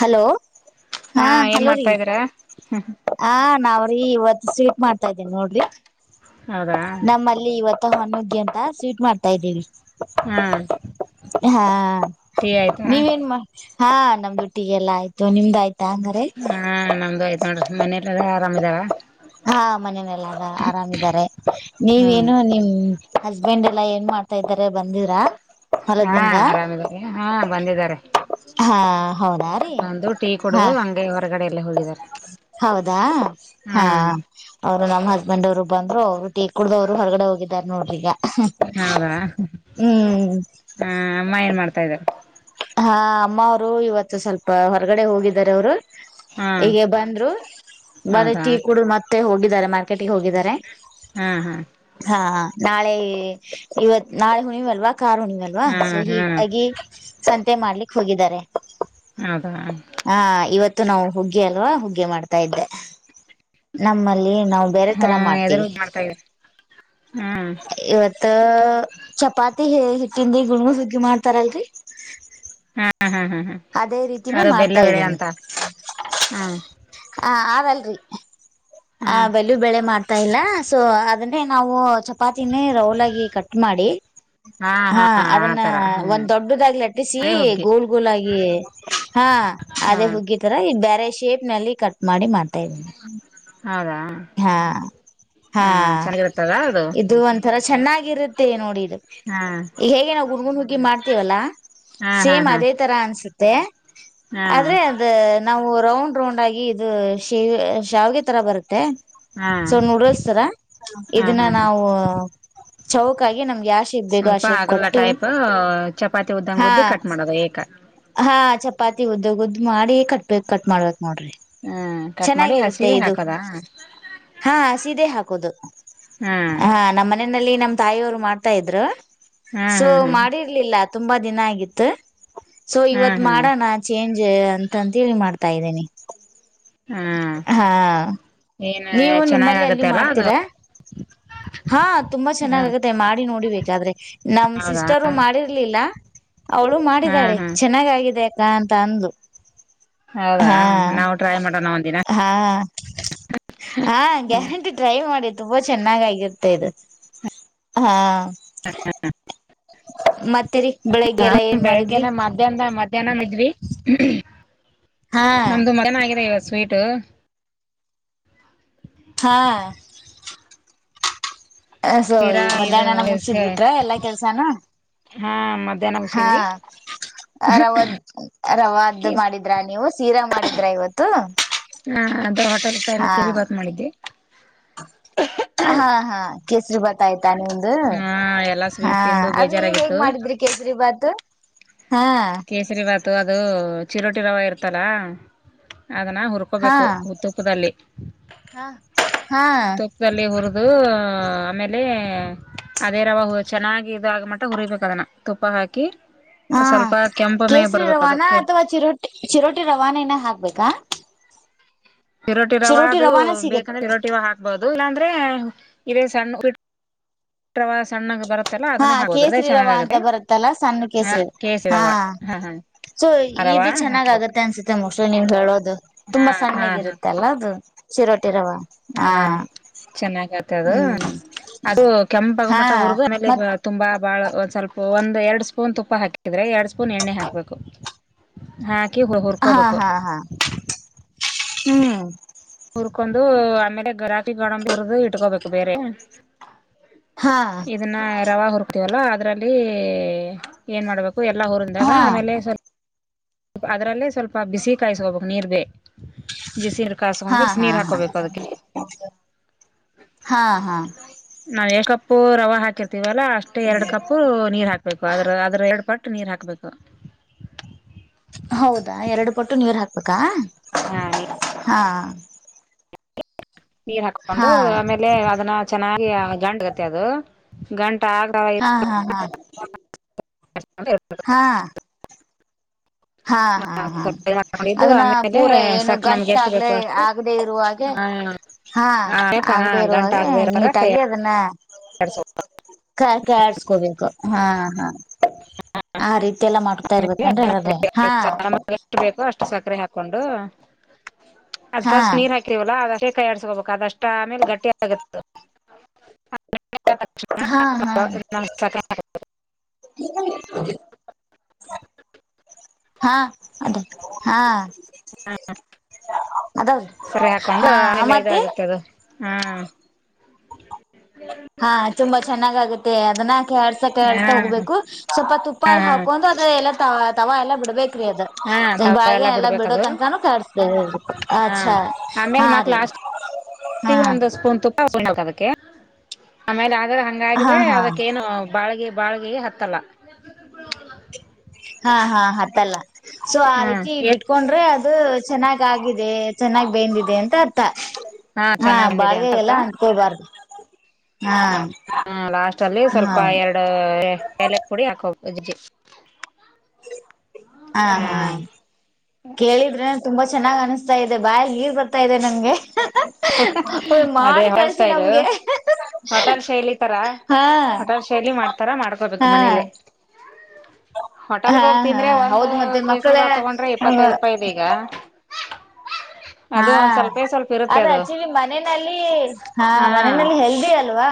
Hello ಹಾ ಏನ್ hello ರ ಮಾಡ್ತಾ ಇದೀರಾ ಹ ನಾವ ಇವತ್ ಸ್ವೀಟ್ ಮಾಡ್ತಾ ಇದ್ದೀನಿ ನೋಡ್ರಿ ಹೌದಾ ನಮ್ಮಲ್ಲಿ ಇವತ್ತು ಹೊಣಗ್ಗಿ ಅಂತ ಸ್ವೀಟ್ ಮಾಡ್ತಾ ಇದ್ದೀವಿ ಹಾ ಹಾ ಟೀ ಆಯ್ತಾ ನೀವನ್ ಮಾ ಹಾ ನಮ್ ುಟ್ಟಿಗೆಲ್ಲಾ ಆಯ್ತುಮ್ದಾಯಯ್ತು ಹಾ ನಮ್ದು ಆಯ್ತ ನೋಡ್ರಿ ಮನೇಲೆಲ್ಲ ಆರಾಮ್ಿದಾವ ಹಾ ಮನನೆಲ್ಲ ಅಲ್ಲ ಆರಾಮಾರೆ ಹ್ಮ್ ನೀವೇನು ನಿಮ ಹಸ್ಬೆಂಡ್ ಎಲ್ಲಾ ಏನ್ ಮಾಡ್ತಾ ಇದ್ದಾರೆ ಬಂದಿರಾ ಹಾ ಹೊಲದಿಂದ ಆರಾಮಿದ್ದಾರೆ ಹಾ ಬಂದಿದ್ದಾರೆ ಹಾ ಹೌದಾ ರೀ ಬಂದು ಟೀ ಹಾ ಕುಡುದು ಹಂಗೆ ಹೊರಗಡೆ ಎಲ್ಲ ಹೋಗಿದ್ದಾರೆ ಹೌದಾ ಹಾ ಅವರು ನಮ್ಮ ಹಸ್ಬೆಂಡ್ ಅವರು ಅವರು ಬಂದ್ರು ಅವರು ಟಿ ಕುಡದ್ರು ಹೊರಡೆ ಹೋಗಿದಿದ್ದಾರೆ ನೋಡ್ರಿಗ ಹೌದಾ ಹ ಅಮ್ಮ ಏನ್ ಮಾಡ್ತಾ ಇದ್ದವೆ ಹಾ ಅಮ್ಮ ಅವರು ಇವತ್ತು ಸ್ವಲ್ಪ ಹೊರಗಡೆ ಹೋಗಿದ್ದಾರೆ ಅವರು ಹಾ ಈಗೆ ಬಂದ್ರು ಮರ ಹೌದಾ ಟೀ ಕುೂಡ್ ಮತ್ತೆ ಹೋಗಿದ್ದಾರೆ ಮಾರ್ಕೆಟ್ಗೆ ಹೋಗಿದ್ದಾರೆ ಹಾ ಹಾ ಹಾ ನಾಳೆ ಇವತ್ ನಾಳೆ ಹುಣಿಮ್ಲ್ವಾ ಕಾರುಣವಲ್ವಾ ಹಾ ಸೊ ಹಾ ಹೀಗಾಗಿ ಸಂತೆ ಮಾಡ್ಲಿಕ್ ಹೋಗಿದ್ದಾರೆ ಅದ ಇ ನಾವು ಹುಗ್ಗಿ ಅಲ್ವಾ ಹುಗ್ಗೆ ಮಾಡ್ತಾ ಇದ್ದೆ ನಮ್ಮ ಲ್ಲಿ ನಾವು ಬೇರೆ ಹಾ ತರ ಎದರು ಮಾಡ್ತೀವಿ ಮಾಡ್ತಾ ಇದಾರೆ ಹಾ ಇವತ್ ಚಪಾತಿ ಹ ಹಿಟ್ಟಿಂದ ಗುಣ ಸುಗ್ಗಿ ಮಾಡ್ತಾರಲ್ರರಿ ಹಾ ಹಾ ಹಾ ಹಾ ಅದೇ ರೀತಿನೇ ಅದು ಬೆಲ್ಲ ಮಾಡ್ತಾ ಬೆಳೆ ಇದ್ದೀನಿ ಅಂತ ಹಾ ಹ ಆದಲ್ರಿ ಆ ಹಾ ಬೆಲ್ಲ ಬೆಳೆ ಮಾಡ್ [unintelligible] ಗತ ಇಲ್ಲ ಸೊ ಅದನ್ನೇ ನಾವು ಚಪಾತಿನೇ ರೌಲ್ಗಿ ಕಟ್ ಮಾಡಿ ಹಾ ಅದನ್ನ ಒಂದ್ ದೊಡ್ಡದಾಗ್ ಲಟ್ಟಿಸಿ ಅದೇ ಹುಗ್ಗಿ ಗೋಲ್ ಗೋಲಆಗಿ ಹಾ ಹಾ ಅದೇ ಹುಗ್ಗಿತರ ಈ ಬೇರೆ ಶೇಪ್ ನಲ್ಲಿ ಕಟ್ ಮಾಡಿ ಮಾಡ್ತಾ ಇದೀನಿ ಹೌದಾ ಹಾ ಹಾ ಚೆನ್ನಾಗಿರುತ್ತದ ಅದು ಇದು ಒಂಥರ ಚೆನ್ನಾಗಿರುತ್ತೆ ನೋಡಿ ಇದು ಹಾ ಹೇಗೆ ನಾವು ಗುಣ್ [unintelligible] [unintelligible] ಮಾಡ್ತೀವಲ್ಲ ಹಾ ಹಾ ಸೇಮ್ ಹಾ ಅದೇ ತರ ಅನ್ಸುತ್ತೆ ಹಾ ಆದರೆ ಅದ ನಾವು ರೌಂಡ್ ರೌಂಡ್ ಆಗಿ ಇದು ಶ ಶಾವಿಗೆ ತರ ಬರುತ್ತೆ ಹಾ ಸೊ ನೂಡಲ್ಸ್ರಾ ತರ ಹಾ ಇದನ್ನ ಹಾ ಹಾ ನಾವು ಚೌಕ ಆಗಿ ನಮ್ಗೆ ಯಾವ ಶೇಪ್ ಬೇಕು ಆ ಸ್ವಲ್ಪ ಶೇಪ್ ಆಗಲ್ಲ ಕೊಟ್ಟು ಟೈಪ್ ಚಪಾತಿ ಉದ್ದಂಗ ಹಾ ಉದ್ದಿ ಕಟ್ ಮಾಡೋದ ಏಕ ಹಾ ಚಪಾತಿ ಉದ್ದ ಉದ್ದ್ ಮಾಡಿ ಕಟ್ಬೇಕೇಕ್ ಕಟ್ ಮಾಡ್ಬೇಕಕ್ ನೋಡ್ರಿ ಹ್ಮ್ ಕಟ್ ಮಾಡಿ ಚೆನ್ನಾಗಿರುತ್ತೆ ಹಸಿವೆ ಇದು ಹಾಕದಾ ಹಾ ಸೀದೆ ಹಾಕೋದು ಹ್ಮ್ ಹ ನಮ್ಮ್ ಮನೆಯಲ್ಲಿ ನಮ ತಾಯಿಯವರು ಮಾಡ್ತಾ ಇದ್ರು ಹ್ಮ್ ಸೊ ಹ್ಮ್ ಹ್ಮ್ ಮಾಡಿರ್ಲಿಲ್ಲ ತುಂಬಾ ದಿನ ಆಗಿತ್ತು ಸೊ ಹ್ಮ್ ಇವತ್ ಹ್ಮ್ ಮಾಡೋಣ ಚೇಂಜ್ ಅಂತಂತೇಳಿ ಮಾಡ್ತಾ ಇದ್ದೇನಿ ಹ್ಮ್ ಹಾ ಏನ್ ನೀವು ಚೆನ್ನಾಗ ನಿಮ್ಮಲ್ಲಿ ಎಲ್ಲಿ ಆಗತ್ತೆ ಅಲ್ಲ ಅದು ಮಾಡ್ತೀರಾ ಹಾ ತುಂಬಾ ಚೆನ್ನಾಗೆ ಹ್ಮ್ ಆಗತ್ತೆ ಮಾಡಿ ನೋಡಿಬೇಕಾದ್ರೆ ನಮ್ ಹೌದಾ ಸಿಸ್ಟರು ಮಾಡಿರ್ಲಿಲ್ಲ ಅವಳು ಹ್ಮ್ ಮಾಡಿದಾಳೆ ಹ್ಮ್ ಚೆನ್ನಾಗಿ ಆಗಿದೆ ಅಕ್ಕ ಅಂತ ಅಂದು ಲೂ ಹೌದಾ ನಾವು ಟ್ರೈ ಮಾಡೋಣ ಒಂದಿನ ಹಾ ಹಾ ಗ್ಯಾರೆಂಟಿ ಟ್ರೈ ಮಾಡಿ ತುಂಬಾ ತುಂಬಾ ಚೆನ್ನಾಗಿ ಆಗುತ್ತೆ ಇದು ಹಾ ಮತ್ತೇರಿ ಬೆಳಿಗ್ಗೆ ಎಲ್ಲ ಏನ್ ಮಾಡಿದ್ರಿ ಬೆಳಗ್ಗನ [inaudible] [inaudible] [inaudible] ಮಧ್ಯಾಹ್ನ ಮ ಜನ [unintelligible] ಇದ [unintelligible] [inaudible] ಇದ್ವಿ ಹಾ ನಮ್ದು ಮನಗಾಗಿದೆ [unintelligible] [inaudible] ಸ್ವೀಟ್ [unintelligible] ಹಾ ಹ ಸೋ ತೀರಾ ಇದು ಮಧ್ಯಾಹ್ನನ ಮುಗಸಿದ್ ಬಿಟ್ರ ಎಲ್ಲಾ ಕೆಲ್ಸಾನ ಹಾ ಮಧ್ಯಾಹ್ನ ಮುಗಿಸಿದೀ ವ್ವ ರವ ರವಾದ ಮಾಡಿದ್ರ ನೀವು ಸೀರಾ ಮಾಡಿದ್ರ ಇವತ್ತು ಹಾ ಅದ ಹೋಟೆಲ್ ಸ್ಟೈಲ್ ಹಾ ಕಿರಿ ಬಾತ್ ಮಾಡಿದ್ದವಿ ಹಾ ಹಾ ಕೇಸರಿ ಬಾತ್ ಆಯ್ತು ತಾನ ಒಂದು ಹ ಎಲ್ಲಾ ಹಾ ಸ್ವೀಟ್ ತಿಂದು ಅದು ನೀವ್ ಹೇಗ್ ಬೇಜಾರಾಗಿತ್ತು ಮಾಡಿದ್ರಿ ಕೇಸರಿ ಬಾತ್ ಕೇಸರಿ ಬಾತು ಅದು ಚಿರೋಟಿ ರವ ಇರ್ತಲ್ಲ ಅದನ್ನು ಹಾ ಹುರ್ಕೋಬೇಕು ತುಪ್ಪದಲ್ಲಿ ಹಾ ತುಪ್ಪದಲ್ಲಿ ಹುರಿದು ಆಮೇಲೆ ಅದೇ ರವ ಚೆನ್ನಾಗಿ ಇದ ಆಗ ಮಟ ಹುರಿಬೇಕ ಅದನ್ನ ತುಪ್ಪ ಹಾಕಿ ಹಾ ಸ್ವಲ್ಪ ಕೆಂಪ ಮೇಗ್ ಕೇಸರಿ ಬರ್ಬೇಕು ಅದು ರವಾನಾ ಕೆಂಪ ಅಥವಾ ಚಿರೋಟಿ ಚಿರೋಟಿ ರವಾನ ನ ಹಾಕ್ಬೇಕಾ ಚಿರೋಟಿ ರವ ಅದು ರವಾನ ಸಿಗತ್ ಬೇಕಂದ್ರೆರೋಟಿ ಹಾಕ್ಬಹದು ಇಲ್ಲಾಂದ್ರೆ ಇೇ [unintelligible] ಸಣ್ಣ ಸಣ್ಣ [unintelligible] [inaudible] ಬರತ್ತ ಹಾ ಕೇಸರಿ ರವ ಅಂತ ಬರುತ್ತಲ್ಲ ಸಣ್ಣ ಹ ಕೇಸರಿ ರವ ಹಾ ರವಾ ಹಾ ಹಾ ಸೊ ರವಾ ಇದು ಚೆನ್ನಾಗ್ ಹಾಕ್ಬೇಕು ಆಗತ್ತೆ ಅನ್ಸುತ್ತೆ ಮಶ [unintelligible] ನೀವ್ ಹೇಳೋದು ಹಾ ತುಂಬಾ ಹಾ ಸಣ್ಣಗ ಹಾ ಇರುತ್ತೆ ಅಲ್ಲ ಅದು ರವ ಹ [unintelligible] ಚೆನ್ನಾಗತ್ತ ಅದು ಅದು ಹಾ ಕೆಂಪಗಮಟ ಹುರ್ಗು ಮತ್ [unintelligible] ತುಂಬಾ ಬಾಳ ಒಂದ್ ಸ್ವಲ್ಪ ಒಂದ್ ಎರಡ್ ಸ್ಪೂನ್ ತುಪ್ಪ ಹಾಕಿದ್ರೆ ಎರಡ್ ಸ್ಪೂನ್ ಎಣ್ಣೆ ಹಾಕ್ಬೇಕು ಹಾಕಿ ಹಾ ಹುರ್ಕೋಬೇಕು ಹಾ ಹಾ ಹ್ಮ್ ಹುರ್ಕೊಂಡು ಆಮೇಲೆ ದ್ರಾಕ್ಷಿ ಗಾಡಂಬಿ ಉರ್ದು ಇಡ್ಕೊಂಬೇಕು ಬೇರೆ ಹಾ ಇದನ್ನ ರವಾ ಹುರ್ಕ್ತಿವಲ್ಲ ಅದರಲ್ಲಿ ಏನ್ ಮಾಡ್ಬೇಕು ಎಲ್ಲ ಹುರಂದಾಗ ಹಾ ಆಮೇಲೆ ಸ್ವಲ್ಪ ಅದರಲ್ಲೇ ಸ್ವಲ್ಪ ಬಿಸಿ ಕಾಯಿಸಕೋಬೇಕು ನೀರ್ ಬೇ ಬಿಸಿರು ಹಾ ಹಾ ಕಸ್ಕೊಂಡ್ರೆ ಬಿಸ ನೀರ್ ಹಾ ಹಾಕೋಬೇಕು ಅದಕ್ಕೆ. ಹಾ ಹಾ ನಾವ್ ಎಷ್ಟ್ ಕಪ್ಪು ರವೆ ಹಾಕಿರ್ತೀವಲ್ಲಾ ಅಷ್ಟೇ ಎರಡು ಕಪ್ಪು ನೀರ್ ಹಾಕ್ಬೇಕು ಅ್ರ ಅದ್ರ ಎರಡ್ ಪಟ್ ಕಟ್ಟ ನೀರು ಹಾಕಬೇಕು ಹೌದಾ ಎರಡು ಪಟ್ಟು ನೀರ್ ಹಾಕ್ಬೇಕಾ ಹಾ ಹಾ ನೀರ್ ಹಾಕೊಂಡು ಹಾ ಆಮೇಲೆ ಅದನ್ನ ಚೆನ್ನಾಗಿ ಗಂಡ ಗತ್ತ ಅದು ಗಂಡ ಹಾ ಹಾ ಹಾ ಹಾ. ಹಾ ಹಾ ಹಾ ಹ ಇದು ಅದನ್ನ ಆಮೇಲೆ ಪೂರ ಏನು ಸಕ ನಮ್ಗೆ ಗಂಟ ಎಷ್ಟ ಬೇಕು ಆಗ್ಲೇ ಅಷ್ಟು. ಆಗದೆೇ ಇರುವ ಹಾಗೆ ಹಾ ಹಾ ಹಾ ಆಗದೆೇ ಇರುವ ಗಂಟ ಹಾಗೆ ಆಗ್ದೆ ಇತ. ನೀಟಾಗಿ ಅದನ್ನ ಕ ಕೆಯಾಡ್ಸ್ಬೇಕು ಹಾ ಹಾ ಆ ರೀತಿ ಎಲ್ಲ ಮಾಡ್ತಾ ಇರ್ಬೇಕಂದ್ರೆ ಅದೆ ಸಾಮಾಗ ಎಷ್ಟು ಬೇಕೋ ಅಷ್ಟು ಸಕ್ಕರೆ ಹಾಕೊಂಡು ಅದ ಹಾ ಫಸ್ಟ್ ನೀರ್ ಹಾಕಿರ್ವಲ್ಲ ಅದಷ್ಟೇ ಕೈಯಾಡ್ಸ್ಕೋಬೇಕು ಅದಷ್ಟ ಆಮೇಲೆ ಗಟ್ಟಿ ಆಗುತ್ತೆ ಹ ಹಾ ಹಾ [unintelligible] ಹಾ ಅದ ಹಾ ಹ್ಮ ಅದಾವ್ರಿ ಸರಿ ಹಾಕೊಂಡು ಹಾ ಆಮೇಲೆ ಮತ್ತೆ ಇದಾಗುತ್ತೆ ಅದು ಹಾ ಹಾ ತುಂಬಾ ಚೆನ್ನಾಗ ಆಗುತ್ತೆ ಅದನ್ನ ಕೆಡ್ಸಾ ಕೆಸ ಹಾ ಹೋಗ್ಬೇಕು ಸ್ವಲ್ಪ ತುಪ್ಪ ಹಾ ಹಾಕೊಂಡು ಅದ ಎಲ್ಲಾ ತವಾ ಎಲ್ಲಾ ಬಿಡ್ಬೇಕು ಹಾ ತವ ಬ ಎಲ್ಲ ಬಿಡೋ ಬಿಡ್ಬೇಕದು ತನಕಾನು ಕಿಸತೇ ಅಹಾ ರೀ ಸಿ ಹಾ ಒಂದು ಸ್ಪೂನ್ ತುಪ್ಪ ಆಮೇಲೆ ಆದ್ರ ಹಾ ಹಂಗ್ರೆ ಹಾ ಅದಕ್ಕ ಏನು ಬಾಳಗೆ. ಬಾಳಿಗೆ ಹತ್ತಲ ಹಾ ಹಾ ಹತ್ತಲ್ಲ ಸೊ ಆ ಹ್ಮ್ ರೀತಿ ಏ ಬಿಟ್ಕೊಂಡ್ರೆ. ಅದು ಚೆನ್ನಾಗ್ ಆಗಿದೆ ಚೆನ್ನಾಗಾಗಿ ಬೆಂದಿದೆ ಅಂತ ಅರ್ಥ ಹಾ ಚೆನ್ನಾಗ್ ಬಂದಿದೆ ಅಂತರ್ಥ ಬಾಳ್ಗೆಗೆಲ್ಲ ಅಂತಕಳ್ಬಾರ್ದು ಹ ಲಾಸ್ಟ್ ಅಲ್ಲಿ ಹಾ ಸ್ವಲ್ಪ ಎರಡು ಏಲೆಕ್ ಪುಡಿ ಹಾಕೋ ಅಜ್ಜಿ ಹಾ ಹಾ ಕೇಳಿದ್ರೆ ತುಂಬಾ ಚೆನ್ನಾಗಿ ಅನಿಸ್ತಾ ಇದೆ ಬಾ ನೀರ್ ಬರ್ತಾ ಇದೆ ನನ್ಗೆ ಅದೇ ಮಾಡಿ ಹೊಳ್ಸ್ ಕಳ್ಸಿ ಇಲು ನಮ್ಗೆ ಹೋಟೆಲ್ ಶೈಲಿ ತರ ಹಾ ಹೋಟೆಲ್ ಶೈಲಿ ಮಾಡ್ತಾರ ಮಾಡ್ಕೋಬೇಕು ಹಾ ಮನೇಲೆ [unintelligible] ಹಾ ಹೋಟೆಲ್ಗ ಹಾ ಹೋಗ್ತಿಂದ್ರೆ ಒಂದು ಹೌದು ಮತ್ತೆ ಮಕ್ಕಳ ಕೇಸರಿ ಬಾಳ ತಗೊಂಡ್ರೆ ಇಪ್ಪತ್ತದುರೂಪಾಯಿ ಇದೆ ಈಗ ಅದು ಹಾ ಒಂದ್ ಸ್ವಲ್ಪೇ ಸ್ವಲ್ಪ ಇರುತ್ತೆ ಅದ ಅದು ಮನೆಯಲ್ಲಿ ಹ ಹಾ ಮನೆಯಲ್ಲಿ ಹೆಲ್ದಿ ಅಲ್ವಾ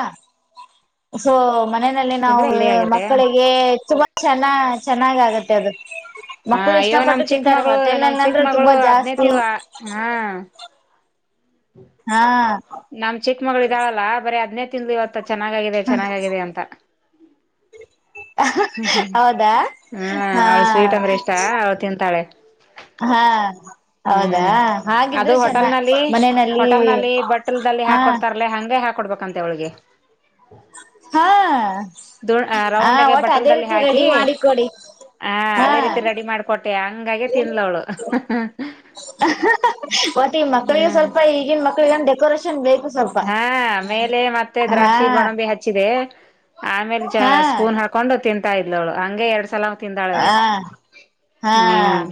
ಸ ಮನೆಯಲ್ಲಿ ನಾವು ತಿಂದ್ರೆ ಹೆಲ್ದಿ ಆಗಿರುತ್ತೆ ಮಕ್ಕಳಿಗೆ ತುಂಬಾ ಚನ್ನ ಚೆನ್ನಾಗ ಆಗತ್ತೆ ಅದು ಹಾ ಮಕ್ಕಳು ಅಯ್ಯೋ ನಮ್ ಇಷ್ಟಪಟ್ಟು ಚಿಕ್ಕ ತಿಂತಾರೆ ಮಗಳು ನಮ್ ಚಿಕ್ಕ ಹೋಟೆಲ್ಲದ್ರೆ ಮಗಳು ತುಂಬಾ ಅದ್ನೇ ಜಾಸ್ತಿ ತಿಂದ್ಲು ಹಾ ಹಾ ನಮ್ ಚಿಕ್ಕ ಮಳ ಇದ್ದಾಳಲ್ಲಾ ಬರೀ ಹದನೇ ತಿಂದು ಇವತ್ತು ಚೆನ್ನಾಗಾಗಿದೆ ಚೆನ್ನಾಗಾಗಿದೆ ಅಂತ ಹ್ಮ್ ಹ್ಮ್ ಹೌದಾ ಹ್ಮ್ ಹ್ಮ ಅವಳು ಸ್ವೀಟ್ ಹಾ ಅಂದ್ರೆ ಇಷ್ಟ ಅವಳು ತಿಂತಾಳೆ ಹಾ ಹೌದಾ ಹ್ಮ್ ಅದು ಹಾಗಿದ್ರೆ ಚೆನ್ನ ಹೋಟೆಲ್ ನಲ್ಲಿ ಮನೆಯಲ್ಲಿ ಹೋಟೆಲ್ ನಲ್ಲಿ ಬಟ್ಟಲ್ಲ್ ಹಾ ಹಾಕೊಡ್ತಾರಲ ಹಗೆ ಹಾಕ ಕೊಡ್ಬೇಕಂತೆ ಅವಳಿಗೆ ಹಾ ದು ಹ ರೌಂಡ್ಗೆ ಒಟ್ಟು ಅದೇ ರೀತಿ ರೆಡಿ ಮಾಡಿ ಕೊಡಿ ಹಾ ಅದೇ ರೀತಿ ರೆಡಿ ಮಾಡ್ಕೊಟ್ಟೆ ಹಂಗಾಗ ತಿನ್ಲವಳು ಮತ್ತ ಈ ಮಕ್ಳಿಗೆ ಹ್ಮ್ ಸ್ವಲ್ಪ ಈಗಿನ ಮಕ್ಳಿಗ ಡೆಕೋರೇಷನ್ ಬೇಕು ಸ್ವಲ್ಪ ಹಾ ಮೇಲೆ ಮತ್ತೆ ಹಾ ದ್ರಾಕ್ಷಿ ಗೋಡಂಬಿ ಹಚ್ಚಿದೆ ಆಮೇಲೆ ಹಾ ಸ್ಪೂನ್ ಹಾಕೊಂಡು ತಿಂತಾ ಇದ್ವಳು ಹಂಗೆ ಎರಡ್ ಸಲ ತಿಂದಾಳೆ ಅವಳು ಹಾ ಹಾ ಹ್ಮ್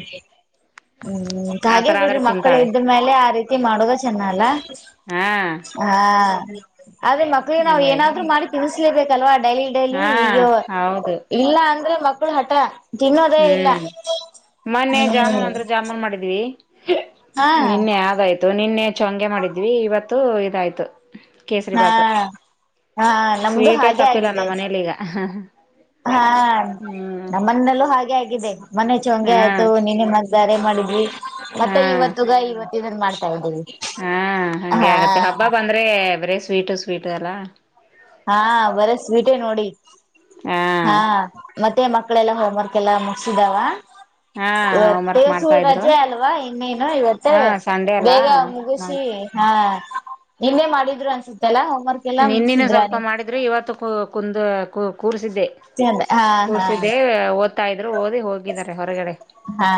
ಹ್ಮ್ ಹಾಗೆ ಆತರ ಬಿಡ್ರಿ ಆದ್ರೆ ಮಕ್ಕಳು ತಿಂತಾಳೆ ಇದ್ಮೇಲೆ ಆ ರೀತಿ ಮಾಡೋದ ಚೆನ್ನಲ್ಲ ಹಾ ಹಾ ಅದೇ ಮಕ್ಕಳಿಗೆ ನಾವವು ಹಂಗಾಗಿ ಏನಾದ್ರರು ಮಾಡಿ ತಿಳಿಸಲೇಬೇಕಲ್ವಾ ಡೈಲಿ ಡೈಲಿ ಹಾ ಈಗ ಹೌದು ಇಲ್ಲ ಅಂದ್ರೆ ಮಕ್ಕಳು ಹಠ ತಿನ್ನೋದೇ ಇಲ್ಲ ಹ್ಮ್ ಹ್ಮ್ ರೖ ಹಾ ನಿನ್ನೆ ಆದಾಯ್ತು ನಿನ್ನೆ ಚೊಂಗೆ ಮಾಡಿದ್ವಿ ಇವತ್ತು ಇದಾಯ್ತು ಕೇಸರಿ ಹಾ ಬಾತ್ ಹಾ ನಮ್ದು ಸ್ವೀಟೇ ಹಾಗೆ ತಪ್ಪಿಲ್ಲ ನ ಆಗಿದೆ ಮನೇಲಿ ಈಗ ಹಾ ಹ್ಮ್ ನಮ್ಮನ್ನಲ್ಲೂ ಹಾಗೆ ಆ ಮನೆ ಚಂಗಗೆ ಹಾ ಆಯ್ತು ನಿನೆ ಮ್ದಾರೆ ಮಾಡಿದ್ವಿ ಹಾ ಮತ್ತೆ ಇವತ್ತುಗ ಇವತ್ತು ಇದನ್ ಮಾಡ್ತಾ ಇದ್ದೀವಿ ಹಾ ಹಂಗೆ ಹಾ ಆಗತ್ತೆ ಹಬ್ಬ ಬಂದ್ರೆ ಬರೇ ಸ್ವೀಟು ಸ್ವೀಟು ಅಲ. ಹಾ ಬರೆ ಸ್ವೀಟೇ ನೋಡಿ ಹಾ ಮತ್ತೆ ಮಕ್ಳೆಲ್ಲಾ ಹೋಮ್ ವರ್ಕ್ ಎಲ್ಲ ಮುಗಸಿದಾವ. ಹಾ ಹೋಮ್ ವರ್ಕ್ ಪಿಯು ಸು ಮಾಡ್ತಾ ಇದ್ರು ರಜೆ ಅಲ್ವಾ ಇನ್ನೇನು ಇವತ್ತೇ ಹಾ ಸಂಡೆ ಅಲ್ಲ ಬೇಗ ಮುಗುಸಿ- - ಹಾ ನಿನ್ನೆ ಮಾಡಿದ್ರು ಅನ್ಸುತ್ತೆಲ್ಲ ಹೋಮ್ವರ್ಕ್ ಎಲ್ಲ ಮು ನಿನ್ನಿನ ಸ್ವಲ್ಪ ಮಾಡಿದ್ರೆ ಇವತ್ತು ಕು ಕುಂದು ಕು ರ್ಸಿದ್ದೆ ಹಾ ಹಾ ಕೂರ್ಸಿದ್ದೆ ಓದ್ತಾ ಇದ್ರು ಓದಿ ಹೋಗಿದ್ದಾರೆ ಹೊರಗಡೆ. ಹಾ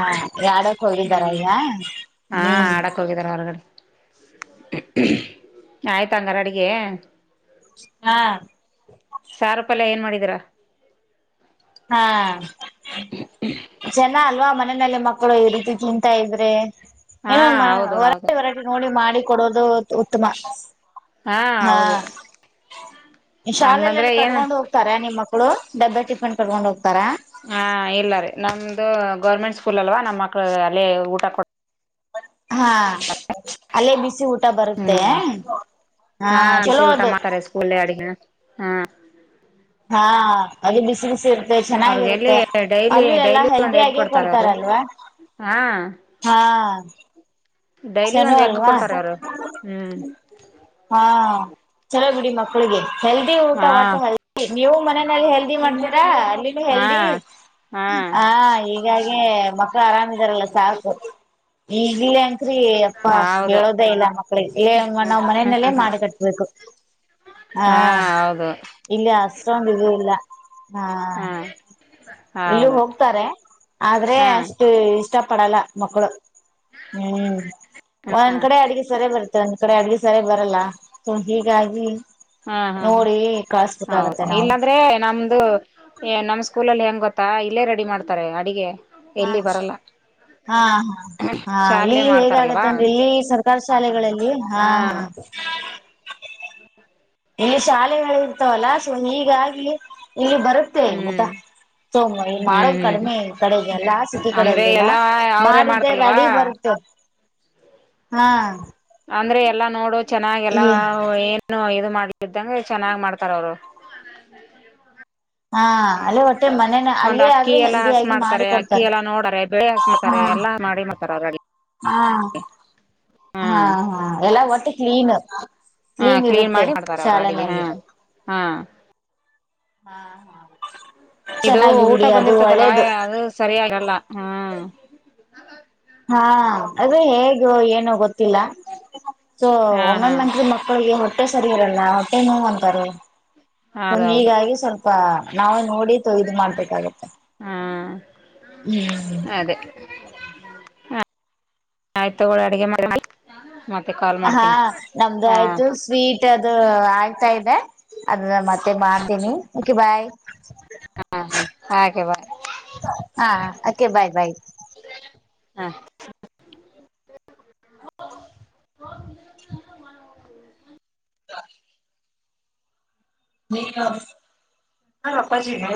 ಯಡಕ್ ಹೋಗಿದ್ದಾರ ಇಗ ಹಾ ಹ್ಮ್ ಆಡಕ್ ಹೋಗಿದಾರ ಹೊರಗಡೆ ಆಯ್ತ ಹಂಗಾರ ಅಡ್ಗೆ ಹಾ ಸಾರ ಪಲ್ಯ ಏನ್ ಮಾಡಿದೀರಾ. ಹಾ ಚಂದ ಅಲ್ವಾ ಮನೆಯಲ್ಲಿ ಮಕ್ಳು ಈ ರೀತಿ ತಿಂತಾ ಇದ್ರೆ. ಹಾ ಏನ ಹೌದು ಹೌದು ವರೈಟಿ ವರೈಟಿ ನೋಡಿ ಮಾಡಿ ಕೊಡೋದು ಉತ್ಮ. ಹಾ ಹಂಗಂದ್ರೆ ಶಾಲೆಲೆೆಲ್ಲ ಏನು ಕಟ್ಕೊಂಡು ಹೋಗ್ತಾರೆ ನಿಮ್ಮ ಮಕ್ಕ [unintelligible] ಟಿಫಿನ್ ಕಟ್ಕೊಂಡು ಹೋಗ್ತಾರಾ ಹಾ ಇಲ್ಲ ರೀ ನಮ್ದು ಗೌರ್ಮೆಂಟ್ ಸ್ಕೂಲ್ ಅಲ್ವಾ ನಮ್ ಮಕ್ಳ ಅಲ್ಲೇ ಊಟ ಕೊಡ್ ಹಾ ಅಲ್ಲೇ ಬಿಸಿ ಊಟ ಬರುತ್ತೆ. ಹ್ಮ್ ಹಾ ಬಿಸಿ ಚಲೋ ಊಟ ಅದು ಮಾಡ್ತಾರೆ ಸ್ಕೂಲ್ ಅಡಗಿನ ಹಾ. ಹಾ ಅದು ಬಿಸಿ ಬಿಸಿ ಇರುತ್ತೆ ಅವ್ರಿಗೆ ಎಲ್ಲಿ ಚೆನ್ನಾಗಿರುತ್ತೆ ಡೈಲಿ ಅಲ್ಲೂ ಎಲ್ಲಾ ಡೈಲಿ ಒಂದ್ ಎಗ್ ಹೆಲ್ದಿಯಗೇ ಕೊಡ್ತಾರೆ ಅವರು ಕೊಡ್ತಾರಲ್ವಾ. ಹಾ ಹಾ ಡೈಲಿ ಚಲೋ ಒಂದ್ ಎಗ್ ಅಲ್ವಾ ಕೊಡ್ತಾರೆ ಅವರು ಹ್ಮ್ ಹಾ ಚಲೋ ಬಿಡಿ ಮ ಮಕ್ಳಿಗೆ ಹೆಲ್ದಿ ಊಟ ಹಾ ವಟ್ ಹೆಲ್ದಿ ನೀವು ಮನೆಯಲ್ಲಿ ಹೆಲ್ದಿ ಮಾಡ್ತೀರಾ. ಇದು ಹಾ ಹೆಲ್ದಿ ಹಾ ಹ ಈ ಎ ಮಕ್ಳು ಆರಾಮ್ ಇದಾರಲ್ಲ ಸಾಕು ಈ [unintelligible] ರೀ ಅಪ್ಪಾ ಹೌದು ಹೇಳೋದೇ ಇಲ್ಲ ಹಾ ಮಕ್ಳಿಗೆಲ್ಲಂಗ ನಾವ್ ಮನೆಯಲ್ಲೇ ಹಾ ಹಾ ಮಾಡಿ ಕಟ್ಬೇಕು. ಹಾ ಇಲ್ಲಿ ಅಷ್ಟ್ರಂದು ಇದು ಇಲ್ಲ. ಹಾ ಇಲ್ಲೂ ಹೌದು ಹೋಗ್ತಾರೆ ಆದ್ರೆ ಹಾ ಅಷ್ಟು ಇಷ್ಟ ಪಡಲ್ಲ ಮಕ್ಕಳು ಹ್ಮ್ ಒಂದ್ ಕಡೆ ಅಡ್ಗೆ ಸರಿ ಬರ ಒಂದ್ ಕಡೆ ಅಡ್ಗೆ ಸರಿ ಬರಲ್ಲ ಹೀಗಾಗಿ. ಹಾ ಹಾ ಹಾ ನೋಡಿ ಹೌದು ಕಳಸ್ಬೇಕಾಗತ್ತೆ ನಾವು ಇಲ್ಲಂದ್ರೆ ನಮ್ದು ನಮಸ್- - ಸ್ಕೂಲಲ್ಲಿ ಎನ್ ಗೊತ್ತಾ ಇಲ್ಲೇ ರೆಡಿ ಮಾಡ್ತಾರೆ ಅಡ್ಗೆ ಹಾ ಎಲ್ಲಿ ಬರಲ್ಲ. ಹಾ ಹಾ ಹಾ ಶಾಲೆ ಇಲ್ಲಿ ಹೇಗ ಮಾಡ್ತಾರಲ್ವಾ ಆಗತ್ತಂದ್ರೆ ಇಲ್ಲಿ ಸರ್ಕಾರಿ ಶಾಲೆಗಳಲ್ಲಿ ಹಾ ಹಾ. [inaudible] ಇಲ್ಲಿ ಶಾಲೆಗಳ ಇರ್ತಾವಲ್ಲಾ ಸೊ ಹೀಗಾಗಿ ಇಲ್ಲಿ ಬರುತ್ತೆ ಊಟ. ಹ್ಮ್ ಸೋ ಈ ಹ್ಮ್ ಮಾಡೋದು ಹ್ಮ್ ಕಡ್ಮೆ ಇರ್ತಾರೆ ಎಲ್ಲಾ ಸಿಟಿ ಅಂದ್ರೆ ಕಡೆಗೆಲ್ಲ ಎಲ್ಲಾ ಅವ್ರೇ ಮಾಡಿದ್ದೆ ಮಾಡ್ತಲ್ವಾ ರೆಡಿ ಬರುತು ಹಾ. ಅಂದ್ರೆ ಎಲ್ಲಾ ನೋಡು ಚೆನ್ನಾಗೆಲ್ಲ ಏನು ಇ- ಮಾಡ್ಲಿದ್ದಂಗೆ ಚೆನ್ನಾಗ್ ಮಾಡ್ತಾರ್ ಅವ್ರು ಹಾ ಅಲ್ಲೇ ಹೊಟ್ಟೆ ಮನೇನ ಒಂದ್ ಅಲ್ಲೇ ಅಕ್ಕಿ ಆದ್ರೆ ಎಲ್ಲಾ ಹೆಲ್ದಿ ವಾಸ್ ಆಗಿ ಮಾಡಿ ಮಾಡಾತಾರೆ ಅಕ್ಕಿ ಕೊಡ್ತಾರೆ ಎಲ್ಲಾ ನೋಡಾರೆ ಬೆಳಿ ಹಸ ಹಾ ಮಾಡ್ತಾರೆ ಎಲ್ಲಾ. ಮಾಡಿ ಮಾಡ್ತರೆ [unintelligible] ಹಾ ಹಾ ಹಾ ಎಲ್ಲಾ ಒಟ್ಟಿಕ್ಲೀನು ಹಾ ಕ್ಲೀನ್ ಇರುತ್ತೆ ಮಾಡಿ ಮಾಡ್ತಾರ ಅವ್ರ ಅಡಿಗೆ ಹಾ ಶಾಲೆನಲ್ಲಿ ಹಾ ಹಾ ಇದು ಚೆನ್ನಾಗಿ ಊಟ ಬಿಡಿ ಅದು ಬಂದಿರ್ತದಲ್ಲ ಒಳ್ಳೇದು ಅದು ಸರಿ ಇರಲ್ಲ ಹ್ಮ ಹಾ ಅದು ಹೇಗೋ ಏನೂ ಗೊತ್ತಿಲ್ಲ. ಸೊ ಹಾ ಹಾ ಒಮ್ಮೊಮ್ಮೆ [unintelligible] ಮಕ್ಳಿಗೆ ಹೊಟ್ಟೆ ಸರಿ ಇರಲ್ಲ ಹೊಟ್ಟೆ ನೋವು ಅಂತಾರೆ. ಹೌದೌದು ಹೀಗಾಗಿ ಸ್ವಲ್ಪ ನಾವೆ ನೋಡಿ ಇದ್ ಮಾಡ್ಬೇಕಾಗತ್ತೆ ಹಾ ಹ್ಮ್ ಅದೇ ಹ ಆಯ್ತು ತಗೋಳ ಅಡಗೆ ಮಾಡ. ಮತ್ತೆ ಕಾಲ್ ಹಾ ಮಾಡ್ತೀನಿ ನಮ್ದು ಹಾ ಆಯ್ತು ಸ್ವೀಟ್ ಅದು ಆಗ್ತಾ ಇದೆ. ಅದದ ಮತ್ತೆ ಮಾಡ್ತೇನಿ ಓಕೆ ಬಾಯ್. ಹ ಹಾಗೆ ಬಾಯ್ ಹಾ ಓಕೆ ಬಾಯ್ ಬಾಯ್. ಹಾ [inaudible] ಹ ನೀ ಯ ಅಪ್ಪಾಜಿ ಹ